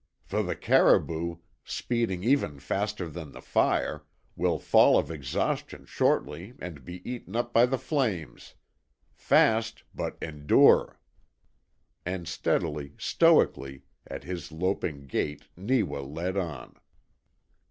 For the caribou, speeding even faster than the fire, will fall of exhaustion shortly and be eaten up by the flames. FAST but ENDURE!" And steadily, stoically, at his loping gait Neewa led on.